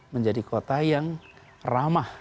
menjadi kota yang ramah